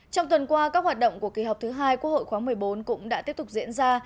trong tuần qua các hoạt động của kỳ họp thứ hai quốc hội khóa một mươi bốn cũng đã tiếp tục diễn ra